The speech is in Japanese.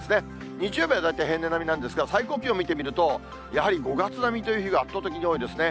日曜日は大体平年並みなんですが、最高気温見てみると、やはり５月並みという日が圧倒的に多いですね。